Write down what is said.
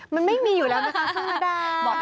มันไม่มีอยู่แล้วนะคะข้างหน้าด้าน